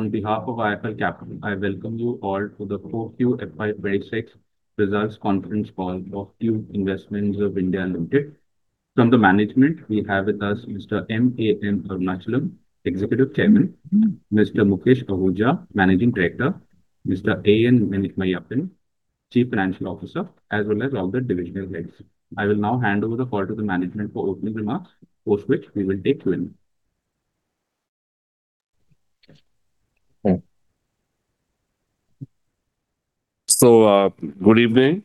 On behalf of IIFL Capital, I Welcome you all to the Q4 FY 2026 results conference call of Tube Investments of India Limited. From the management we have with us Mr. M. A. M. Arunachalam, Executive Chairman. Mr. Mukesh Ahuja, Managing Director. Mr. A. N. Venkatakrishnan, Chief Financial Officer, as well as all the divisional heads. I will now hand over the call to the management for opening remarks, post which we will take Q&A. Good evening.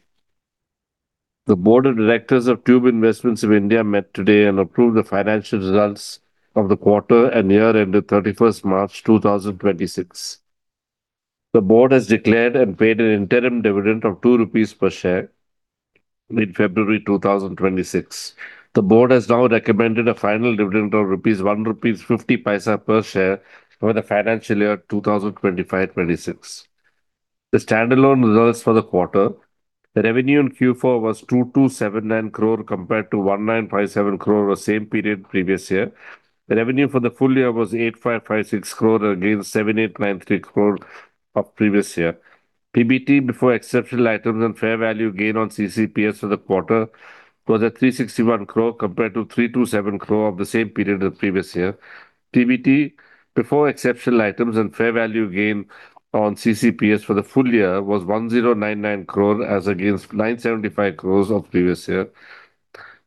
The board of directors of Tube Investments of India met today and approved the financial results of the quarter and year ended 31st March 2026. The board has declared and paid an interim dividend of 2 rupees per share in February 2026. The board has now recommended a final dividend of 1.50 rupees per share for the financial year 2025-2026. The standalone results for the quarter, the revenue in Q4 was 2,279 crore compared to 1,957 crore the same period previous year. The revenue for the full year was 8,556 crore against 7,893 crore of previous year. PBT, before exceptional items and fair value gain on CCPS for the quarter was at 361 crore compared to 327 crore of the same period of the previous year. PBT, before exceptional items and fair value gain on CCPS for the full year was 1,099 crore as against 975 crores of previous year.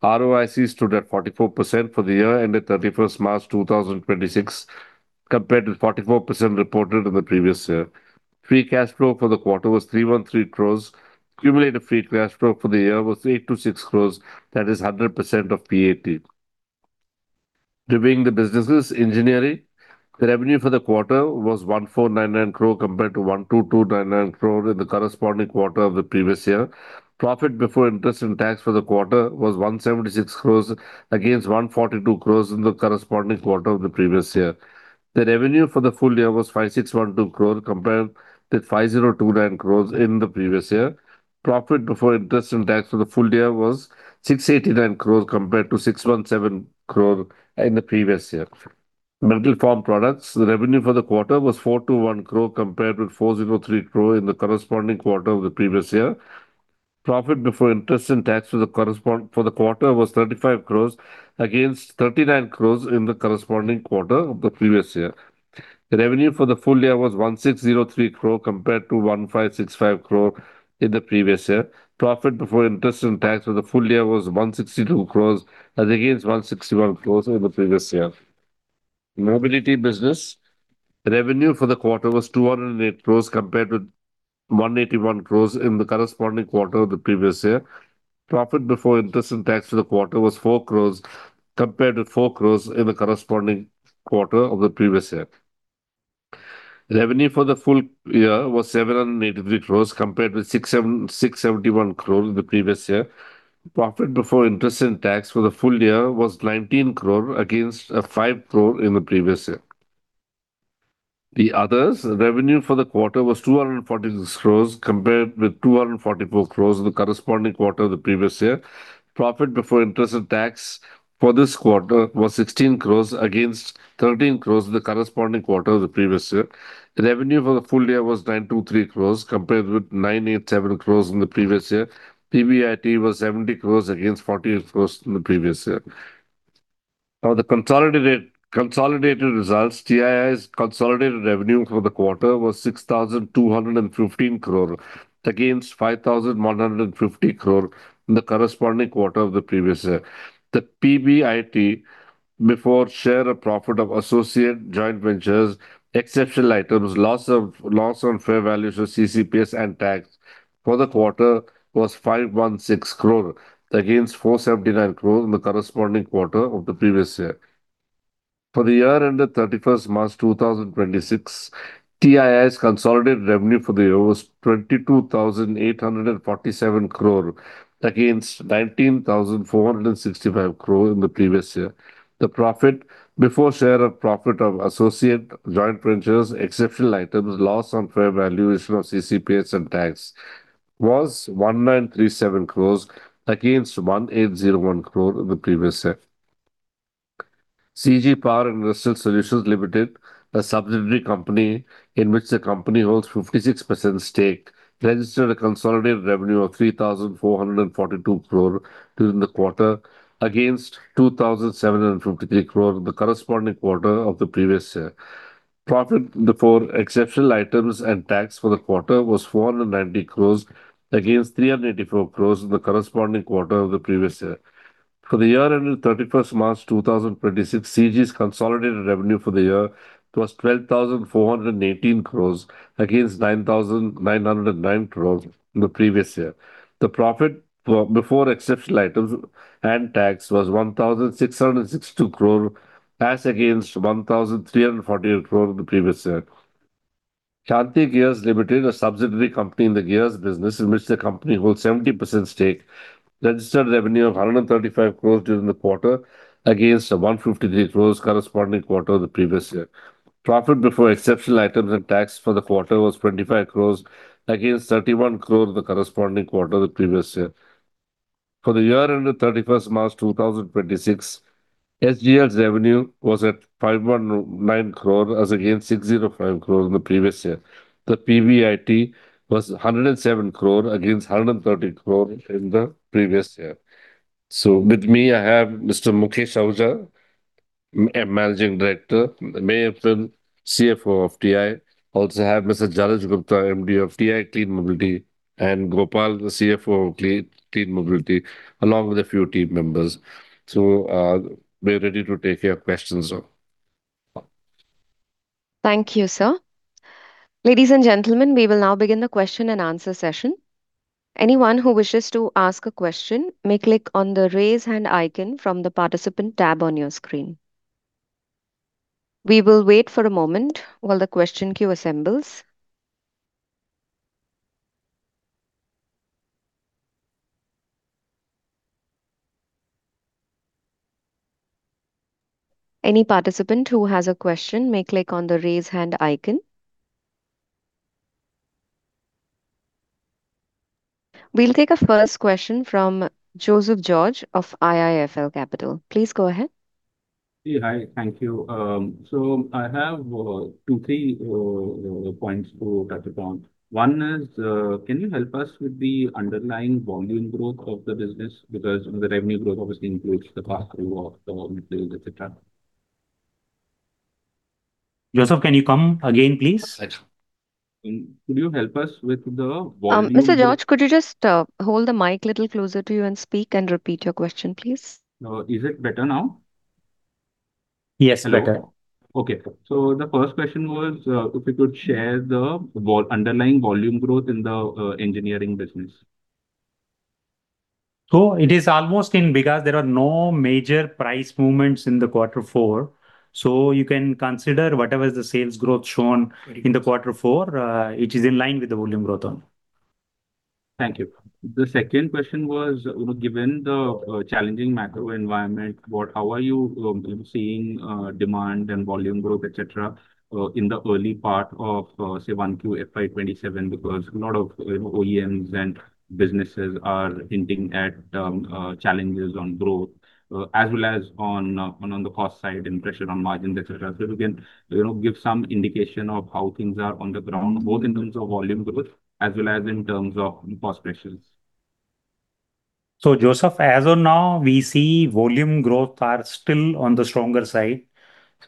ROIC stood at 44% for the year ended 31st March 2026 compared to 44% reported in the previous year. Free cash flow for the quarter was 313 crores. Accumulated free cash flow for the year was 826 crores, that is 100% of PAT. Reviewing the businesses. Engineering, the revenue for the quarter was 1,499 crore compared to 12,299 crore in the corresponding quarter of the previous year. Profit before interest and tax for the quarter was 176 crore against 142 crore in the corresponding quarter of the previous year. The revenue for the full year was INR 5,612 crore compared with INR 5,029 crore in the previous year. Profit before interest and tax for the full year was 689 crore compared to 617 crore in the previous year. Metal Formed Products, the revenue for the quarter was 421 crore compared with 403 crore in the corresponding quarter of the previous year. Profit before interest and tax for the quarter was 35 crore against 39 crore in the corresponding quarter of the previous year. The revenue for the full year was 1,603 crore compared to 1,565 crore in the previous year. Profit before interest and tax for the full year was 162 crores as against 161 crores in the previous year. Mobility business, revenue for the quarter was 208 crores compared with 181 crores in the corresponding quarter of the previous year. Profit before interest and tax for the quarter was 4 crores compared to 4 crores in the corresponding quarter of the previous year. Revenue for the full year was 783 crores compared with 671 crore in the previous year. Profit before interest and tax for the full year was 19 crore against 5 crore in the previous year. The others, revenue for the quarter was 246 crores compared with 244 crores in the corresponding quarter of the previous year. Profit before interest and tax for this quarter was 16 crore against 13 crore in the corresponding quarter of the previous year. Revenue for the full year was 923 crore compared with 987 crore in the previous year. PBIT was 70 crore against 48 crore in the previous year. The consolidated results. TII's consolidated revenue for the quarter was 6,215 crore against 5,150 crore in the corresponding quarter of the previous year. The PBIT, before share of profit of associate joint ventures, exceptional items, loss on fair valuation of CCPS and tax for the quarter was 516 crore against 479 crore in the corresponding quarter of the previous year. For the year ended 31st March 2026, TII's consolidated revenue for the year was 22,847 crore against 19,465 crore in the previous year. The profit before share of profit of associate joint ventures, exceptional items, loss on fair valuation of CCPS and tax was 1,937 crores against 1,801 crore in the previous year. CG Power Industrial Solutions Limited, a subsidiary company in which the company holds 56% stake, registered a consolidated revenue of 3,442 crore during the quarter against 2,753 crore in the SGL's revenue was at 519 crore as against 605 crore in the previous year. The PBIT was 107 crore against 130 crore in the previous year. With me I have Mr. Mukesh Ahuja, Managing Director; Mayur Finn, CFO of TI. Also have Mr. Dheeraj Gupta, MD of TI Clean Mobility; and Gopal, the CFO of Clean Mobility, along with a few team members. We're ready to take your questions now. Thank you, sir. Ladies and gentlemen, we will now begin the question-and-answer session. Anyone who wishes to ask a question may click on the Raise Hand icon from the Participant tab on your screen. We will wait for a moment while the question queue assembles. Any participant who has a question may click on the Raise Hand icon. We'll take a first question from Joseph George of IIFL Capital. Please go ahead. Yeah. Hi. Thank you. I have two, three points to touch upon. One is, can you help us with the underlying volume growth of the business? Because the revenue growth obviously includes the pass-through of the materials, et cetera. Joseph, can you come again, please? Could you help us with the volume? Mr. George, could you just hold the mic a little closer to you and speak and repeat your question, please? Is it better now? Yes, better. Okay. The first question was, if you could share the underlying volume growth in the engineering business. It is almost in because there are no major price movements in the quarter four, so you can consider whatever is the sales growth shown. Okay In the quarter four, it is in line with the volume growth on. Thank you. The second question was, you know, given the challenging macro environment, how are you seeing demand and volume growth, et cetera, in the early part of say, 1Q FY 2027? Because a lot of, you know, OEMs and businesses are hinting at challenges on growth, as well as on the cost side and pressure on margins, et cetera. If you can you know, give some indication of how things are on the ground, both in terms of volume growth as well as in terms of cost pressures. Joseph, as of now, we see volume growth are still on the stronger side.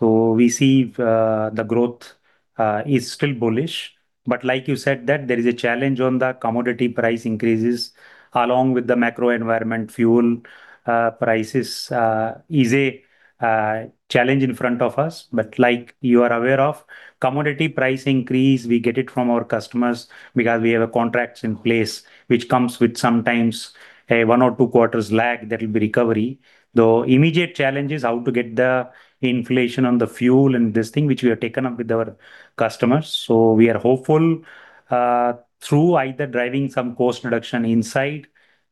We see the growth is still bullish. Like you said, that there is a challenge on the commodity price increases along with the macro environment. Fuel prices is a challenge in front of us. Like you are aware of, commodity price increase, we get it from our customers because we have a contracts in place which comes with sometimes a one or two quarters lag that will be recovery. The immediate challenge is how to get the inflation on the fuel and this thing which we have taken up with our customers. We are hopeful, through either driving some cost reduction insight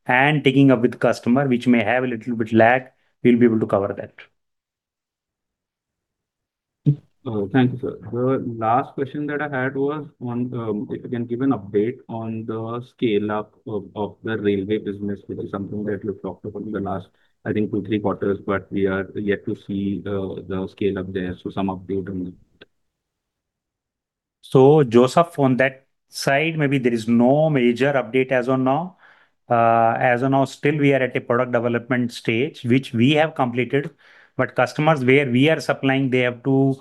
and taking up with customer, which may have a little bit lag, we'll be able to cover that. Thank you, sir. The last question that I had was on, if you can give an update on the scale up of the railway business, which is something that you've talked about in the last I think, two, three quarters, but we are yet to see the scale up there. Some update on that? Joseph, on that side, maybe there is no major update as of now. As of now, still we are at a product development stage, which we have completed. Customers where we are supplying, they have to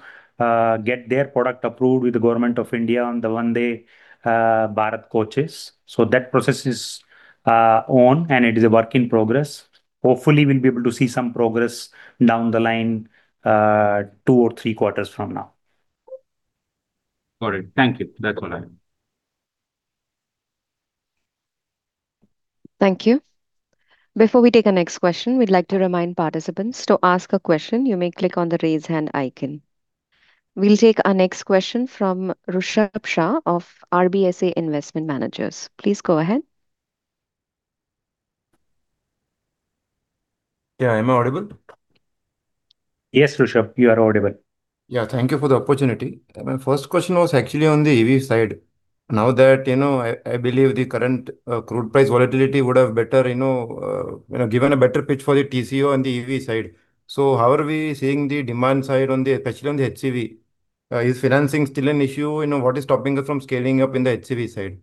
get their product approved with the Government of India on the Vande Bharat coaches. That process is on, and it is a work in progress. Hopefully, we'll be able to see some progress down the line, 2 or 3 quarters from now. All right. Thank you. That's all I have. Thank you. Before we take our next question, we'd like to remind participants, to ask a question you may click on the raise hand icon. We'll take our next question from Rushabh G. Shah of RBSA Investment Managers. Please go ahead. Yeah. Am I audible? Yes, Rushabh, you are audible. Yeah. Thank you for the opportunity. My first question was actually on the EV side. Now that, you know, I believe the current crude price volatility would have better, given a better pitch for the TCO on the EV side. How are we seeing the demand side on the, especially on the HCV? Is financing still an issue? You know, what is stopping us from scaling up in the HCV side?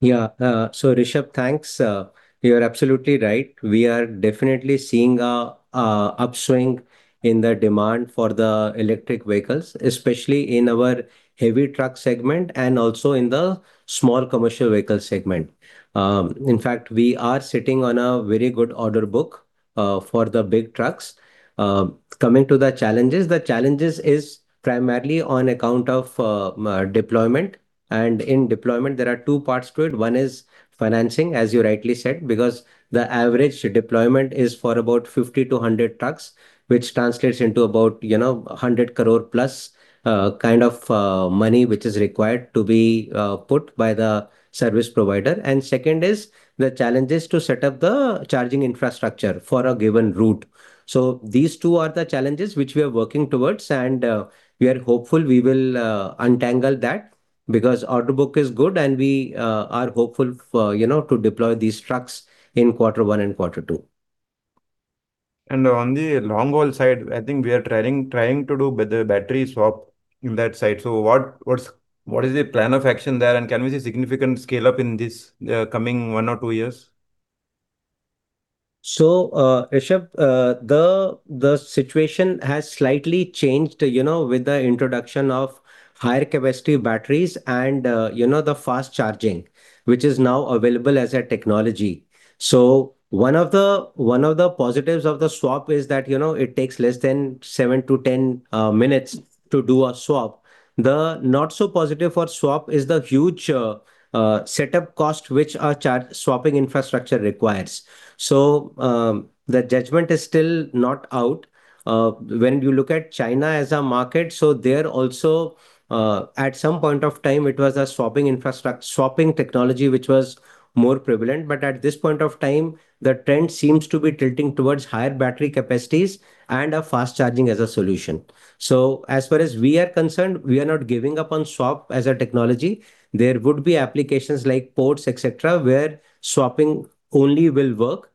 Yeah. Rushabh, thanks. You are absolutely right. We are definitely seeing a upswing in the demand for the electric vehicles, especially in our heavy truck segment and also in the small commercial vehicle segment. In fact, we are sitting on a very good order book for the big trucks. Coming to the challenges, the challenges is primarily on account of deployment. In deployment, there are two parts to it. One is financing, as you rightly said, because the average deployment is for about 50-100 trucks, which translates into about, you know, a 100 crore plus kind of money which is required to be put by the service provider. Second is the challenges to set up the charging infrastructure for a given route. These two are the challenges which we are working towards, and we are hopeful we will untangle that because order book is good and we are hopeful for, you know, to deploy these trucks in quarter 1 and quarter two. On the long haul side, I think we are trying to do better battery swap in that side. What is the plan of action there? Can we see significant scale up in this coming one or two years? Rushabh, the situation has slightly changed, you know, with the introduction of higher capacity batteries and, you know, the fast charging, which is now available as a technology. One of the positives of the swap is that, you know, it takes less than 7-10 minutes to do a swap. The not so positive for swap is the huge setup cost which our swapping infrastructure requires. The judgment is still not out. When you look at China as a market, there also, at some point of time, it was a swapping technology which was more prevalent. At this point of time, the trend seems to be tilting towards higher battery capacities and fast charging as a solution. As far as we are concerned, we are not giving up on swap as a technology. There would be applications like ports, et cetera, where swapping only will work.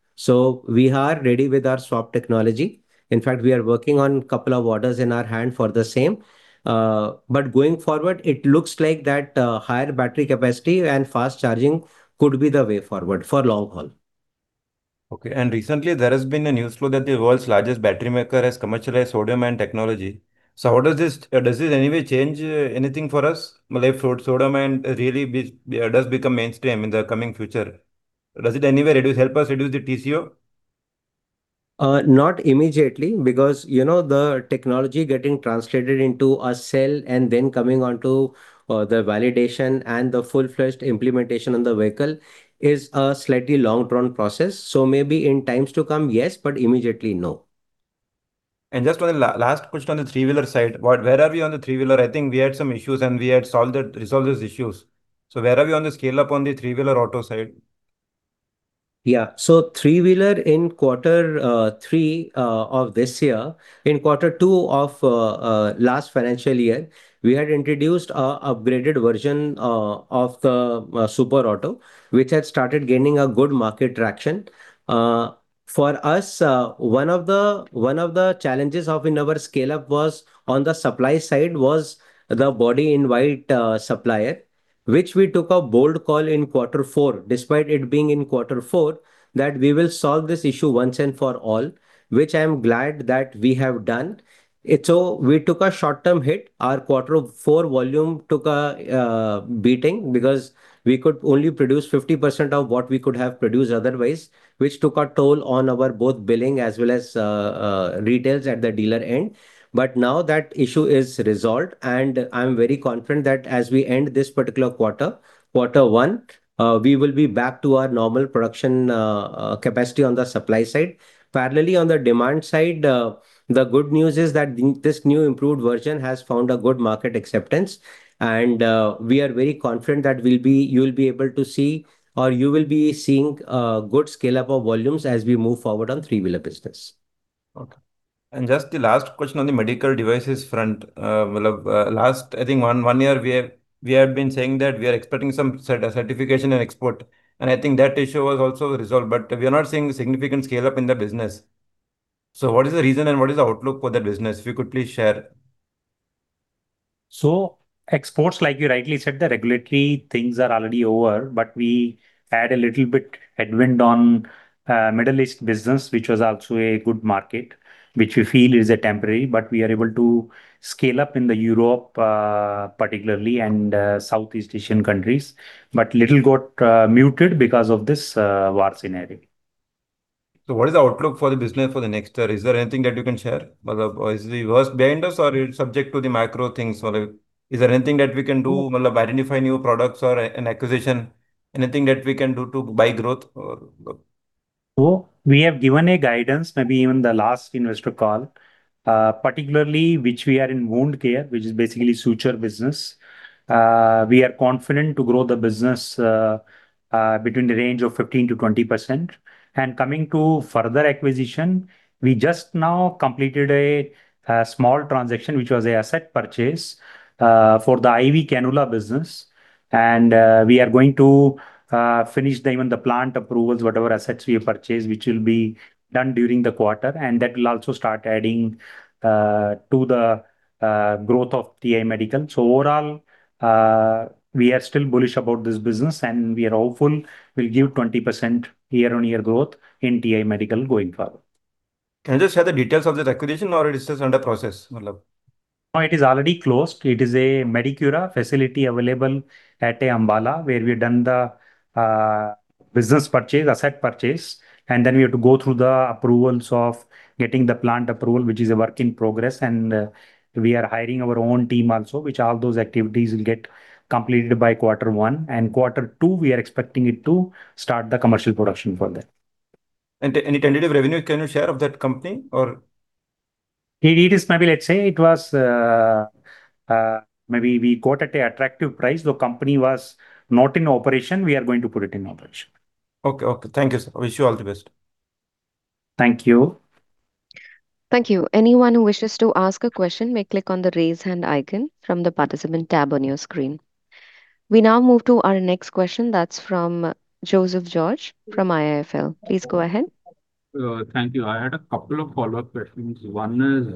We are ready with our swap technology. In fact, we are working on couple of orders in our hand for the same. Going forward, it looks like that higher battery capacity and fast charging could be the way forward for long haul. Okay. Recently there has been a news flow that the world's largest battery maker has commercialized sodium ion technology. Does this in any way change anything for us? Maybe if sodium ion really does become mainstream in the coming future. Does it anywhere reduce help us reduce the TCO? Not immediately, because, you know, the technology getting translated into a cell and then coming onto the validation and the full-fledged implementation on the vehicle is a slightly long drawn process. Maybe in times to come, yes, but immediately, no. Just one last question on the Electric Three-Wheeler side. Where are we on the Electric Three-Wheeler? I think we had some issues and we had solved it, resolved those issues. Where are we on the scale up on the three-wheeler auto side? Yeah. Electric Three-Wheeler in quarter three of this year. In quarter two of last financial year, we had introduced a upgraded version of the Super Auto, which had started gaining a good market traction. For us, one of the challenges of in our scale up was on the supply side was the body in white supplier, which we took a bold call in quarter four, despite it being in quarter four, that we will solve this issue once and for all, which I am glad that we have done. We took a short-term hit. Our quarter four volume took a beating because we could only produce 50% of what we could have produced otherwise, which took a toll on our both billing as well as retails at the dealer end. Now that issue is resolved, and I'm very confident that as we end this particular quarter one, we will be back to our normal production capacity on the supply side. Parallelly on the demand side, the good news is that this new improved version has found a good market acceptance and, we are very confident that you'll be able to see or you will be seeing a good scale up of volumes as we move forward on three-wheeler business. Okay. Just the last question on the medical devices front. Well, last, I think one year we have been saying that we are expecting some certification in export, and I think that issue was also resolved. We are not seeing significant scale up in the business. What is the reason and what is the outlook for that business? If you could please share. Exports, like you rightly said, the regulatory things are already over. We had a little bit headwind on Middle East business, which was also a good market, which we feel is a temporary, but we are able to scale up in Europe particularly and Southeast Asian countries. Little got muted because of this war scenario. What is the outlook for the business for the next year? Is there anything that you can share? Is the worst behind us or it's subject to the macro things? Is there anything that we can do, or identify new products or an acquisition? Anything that we can do to buy growth or? We have given a guidance, maybe even the last investor call, particularly which we are in wound care, which is basically suture business. We are confident to grow the business between the range of 15%-20%. Coming to further acquisition, we just now completed a small transaction, which was an asset purchase for the IV Cannula business. We are going to finish the even the plant approvals, whatever assets we have purchased, which will be done during the quarter, and that will also start adding to the growth of TI Medical. Overall, we are still bullish about this business, and we are hopeful we'll give 20% year-on-year growth in TI Medical going forward. Can you just share the details of that acquisition or it is just under process? No, it is already closed. It is a Medicura Devices Private Limited facility available at Ambala, where we've done the business purchase, asset purchase, and then we have to go through the approvals of getting the plant approval, which is a work in progress. We are hiring our own team also, which all those activities will get completed by quarter one. Quarter two, we are expecting it to start the commercial production for that. Any tentative revenue can you share of that company or? It is maybe, let's say, it was, maybe we got at an attractive price. The company was not in operation. We are going to put it in operation. Okay. Okay. Thank you, sir. Wish you all the best. Thank you. Thank you. Anyone who wishes to ask a question may click on the raise hand icon from the participant tab on your screen. We now move to our next question, that is from Joseph George from IIFL. Please go ahead. Thank you. I had a couple of follow-up questions. One is,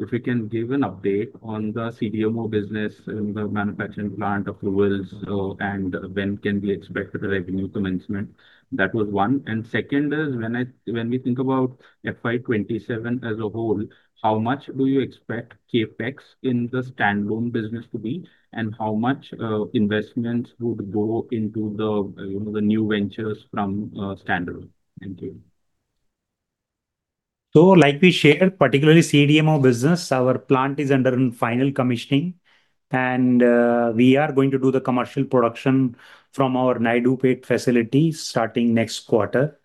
if you can give an update on the CDMO business and the manufacturing plant approvals, and when can we expect the revenue commencement? That was one. Second is, when we think about FY 2027 as a whole, how much do you expect CapEx in the standalone business to be, and how much investments would go into the, you know, the new ventures from standalone? Thank you. Like we shared, particularly CDMO business, our plant is under, in final commissioning and we are going to do the commercial production from our Naidupet facility starting next quarter.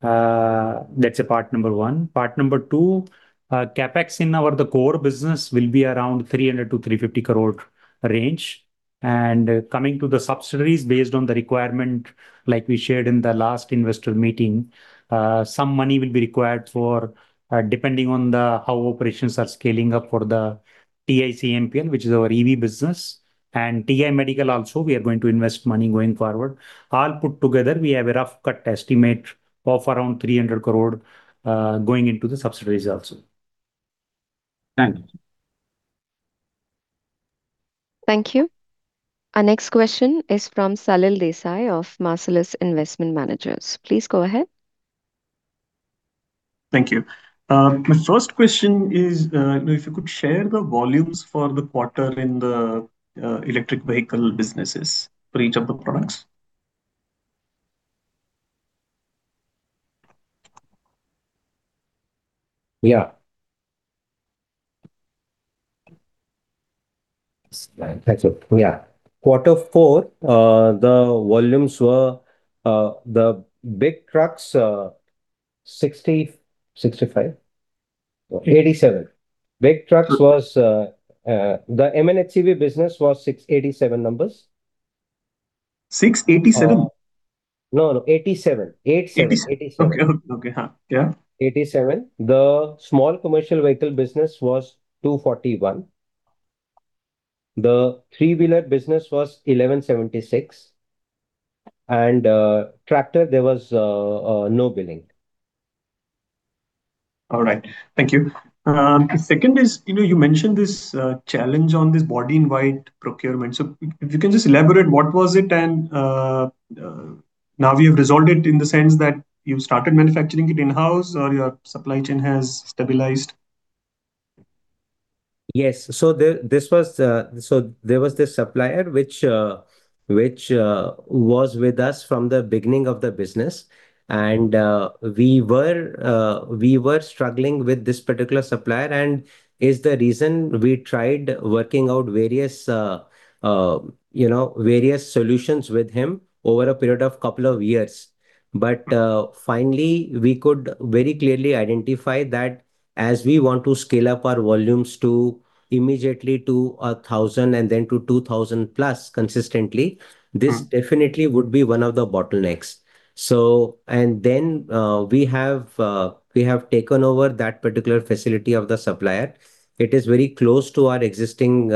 That's part number 1. Part number two, CapEx in the core business will be around 300 crore-350 crore range. Coming to the subsidiaries, based on the requirement, like we shared in the last investor meeting, some money will be required for depending on how operations are scaling up for the TICMPL, which is our EV business, and TI Medical Private Limited also, we are going to invest money going forward. All put together, we have a rough-cut estimate of around 300 crore going into the subsidiaries also. Thank you. Thank you. Our next question is from Salil Desai of Marcellus Investment Managers. Please go ahead. Thank you. Thank you. My first question is, if you could share the volumes for the quarter in the electric vehicle businesses for each of the products. Yeah. Yeah. Quarter four, the volumes were the big trucks. Big trucks was the M&HCV business was 87 numbers. 687? No, no, 87. 87. 87. Okay. Okay. Yeah. 87, the small commercial vehicle business was 241. The three-wheeler business was 1,176. Tractor, there was no billing. All right. Thank you. Second is, you know, you mentioned this challenge on this body in white procurement. If you can just elaborate, what was it and now we have resolved it in the sense that you started manufacturing it in-house or your supply chain has stabilized? Yes. This was, so there was this supplier which was with us from the beginning of the business. We were struggling with this particular supplier and is the reason we tried working out various, you know, various solutions with him over a period of couple of years. Finally, we could very clearly identify that as we want to scale up our volumes to immediately to 1,000 and then to 2,000 plus consistently. This definitely would be one of the bottlenecks. We have taken over that particular facility of the supplier. It is very close to our existing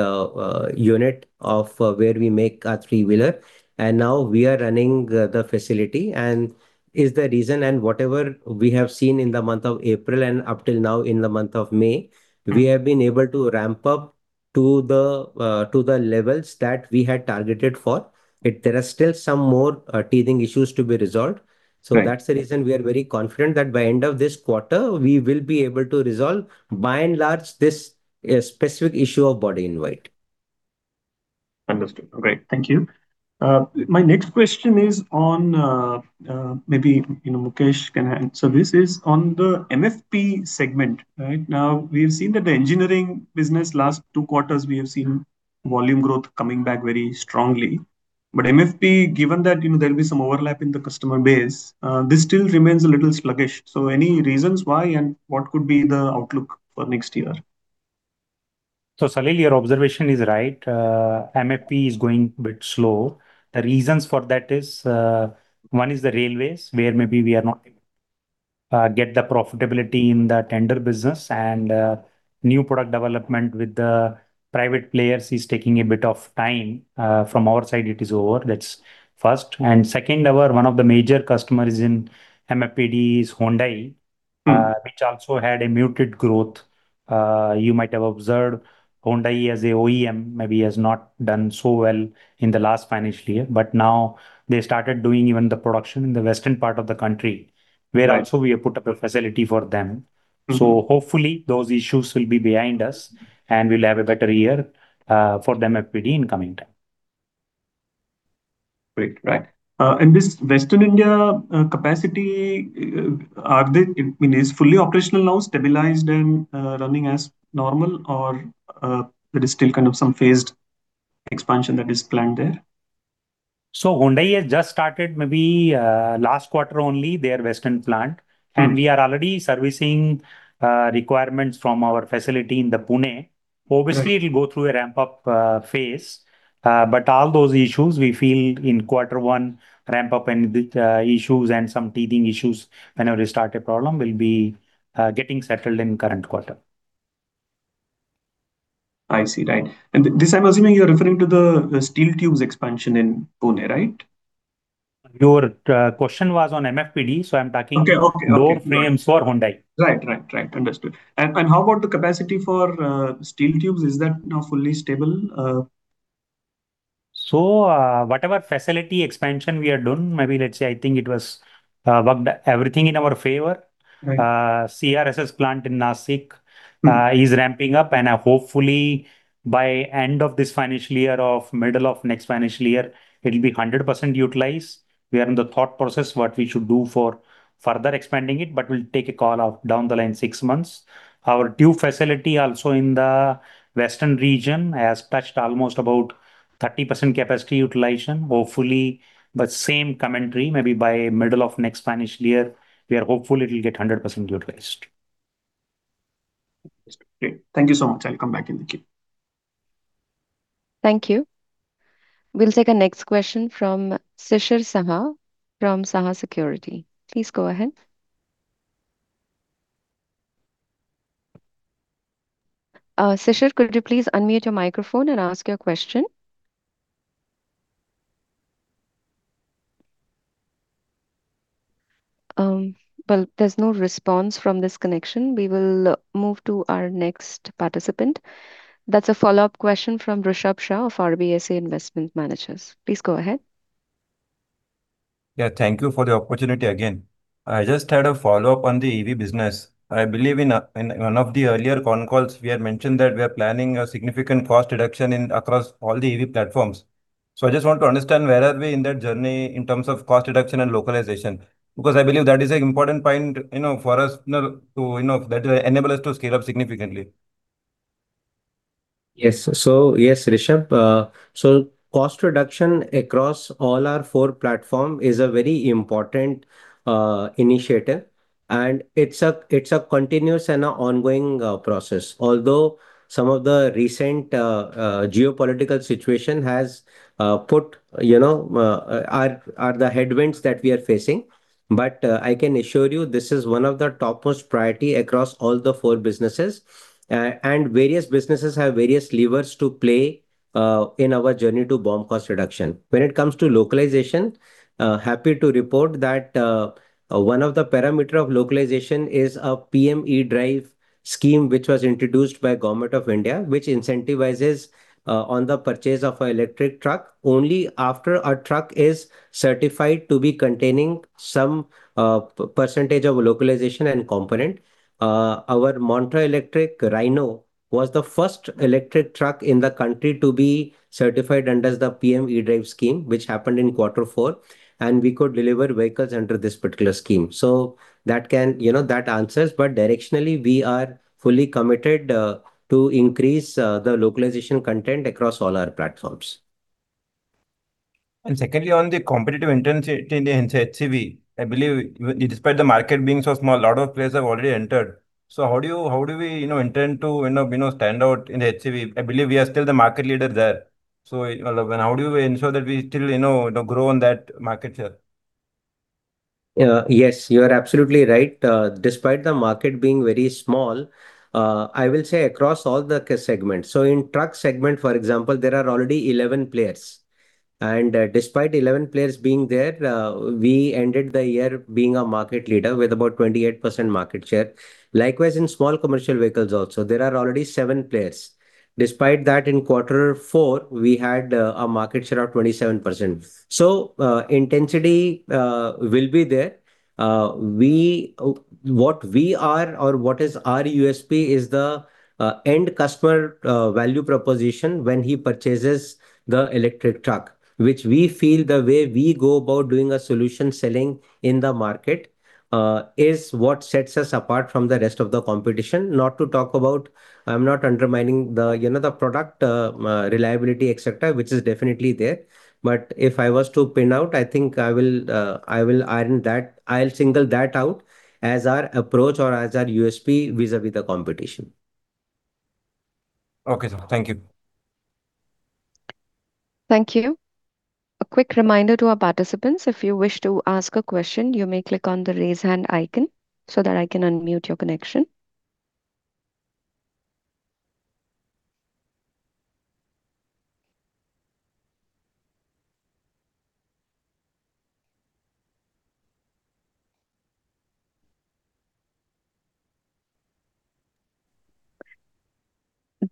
unit of where we make our three-wheeler. We are running the facility and is the reason and whatever we have seen in the month of April and up till now in the month of May, we have been able to ramp up to the levels that we had targeted for. There are still some more teething issues to be resolved. Right. That's the reason we are very confident that by end of this quarter, we will be able to resolve by and large this specific issue of body in white. Understood. Great. Thank you. My next question is on, maybe, you know, Mukesh can answer this, is on the MFP segment. Right now, we have seen that the engineering business last 2 quarters, we have seen volume growth coming back very strongly. MFP, given that, you know, there'll be some overlap in the customer base, this still remains a little sluggish. Any reasons why, and what could be the outlook for next year? Salil, your observation is right. MFP is going a bit slow. The reasons for that is, one is the railways, where maybe we are not get the profitability in the tender business and new product development with the private players is taking a bit of time. From our side, it is over. That's first. Second, one of the major customers in MFPD is Hyundai. Which also had a muted growth. You might have observed Hyundai as a OEM maybe has not done so well in the last financial year. Now they started doing even the production in the western part of the country. Right. Where also we have put up a facility for them. Hopefully, those issues will be behind us, and we'll have a better year for MFPD in coming time. Great. Right. This Western India capacity, I mean, is fully operational now, stabilized and running as normal or there is still kind of some phased expansion that is planned there? Hyundai has just started maybe, last quarter only their western plant. We are already servicing requirements from our facility in the Pune. It'll go through a ramp up phase. All those issues we feel in quarter one ramp up and the issues and some teething issues whenever we start a problem will be getting settled in current quarter. I see. Right. This I'm assuming you're referring to the steel tubes expansion in Pune, right? Your question was on MFPD. Okay. Okay. Okay. Door frames for Hyundai. Right. Right. Right. Understood. How about the capacity for steel tubes? Is that now fully stable? Whatever facility expansion we are doing, maybe let's say I think it was worked everything in our favor. Right. CRSS plant in Nasik is ramping up and hopefully by end of this financial year or middle of next financial year it'll be 100% utilized. We are in the thought process what we should do for further expanding it, but we'll take a call of down the line six months. Our tube facility also in the western region has touched almost about 30% capacity utilization. Hopefully, the same commentary maybe by middle of next financial year we are hopeful it'll get 100% utilized. Okay. Thank you so much. I'll come back in the queue. Thank you. We'll take a next question from Sisir Saha from Saha Securities. Please go ahead. Sisir, could you please unmute your microphone and ask your question? Well, there's no response from this connection. We will move to our next participant. That's a follow-up question from Rushabh G. Shah of RBSA Investment Managers. Please go ahead. Yeah, thank you for the opportunity again. I just had a follow-up on the EV business. I believe in one of the earlier con calls we had mentioned that we are planning a significant cost reduction in across all the EV platforms. I just want to understand where are we in that journey in terms of cost reduction and localization, because I believe that is an important point, you know, for us, you know, to, you know, that enable us to scale up significantly. Yes. Yes, Rushabh. Cost reduction across all our four platforms is a very important initiative, and it's a continuous and an ongoing process. Although some of the recent geopolitical situation has put, you know, are the headwinds that we are facing. I can assure you this is one of the topmost priority across all the four businesses. Various businesses have various levers to play in our journey to BOM cost reduction. When it comes to localization, happy to report that one of the parameters of localization is a PM E-DRIVE scheme, which was introduced by Government of India, which incentivizes on the purchase of an electric truck only after a truck is certified to be containing some percentage of localization and component. Our Montra Electric Rhino was the first electric truck in the country to be certified under the PM E-DRIVE scheme, which happened in quarter four, and we could deliver vehicles under this particular scheme. You know, that answers. Directionally, we are fully committed to increase the localization content across all our platforms. Secondly, on the competitive intensity in the HCV, I believe even despite the market being so small, a lot of players have already entered. How do we, you know, intend to, you know, stand out in the HCV? I believe we are still the market leader there. Alokananda, how do we ensure that we still, you know, grow in that market share? Yes, you are absolutely right. Despite the market being very small, I will say across all the segments. In truck segment, for example, there are already 11 players, and despite 11 players being there, we ended the year being a market leader with about 28% market share. Likewise, in small commercial vehicles also, there are already seven players. Despite that, in Q4 we had a market share of 27%. Intensity will be there. What we are or what is our USP is the end customer value proposition when he purchases the electric truck, which we feel the way we go about doing a solution selling in the market, is what sets us apart from the rest of the competition. Not to talk about I'm not undermining the, you know, the product, reliability, et cetera, which is definitely there. But if I was to pin out, I think I will single that out as our approach or as our USP vis-a-vis the competition. Okay, sir. Thank you. Thank you. A quick reminder to our participants, if you wish to ask a question you may click on the raise hand icon so that I can unmute your connection.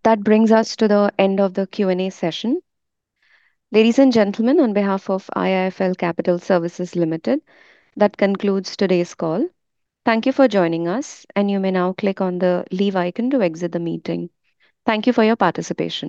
That brings us to the end of the Q&A session. Ladies and gentlemen, on behalf of IIFL Capital Services Limited, that concludes today's call. Thank you for joining us, and you may now click on the Leave icon to exit the meeting. Thank you for your participation.